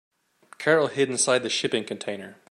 Carol hid inside the shipping container.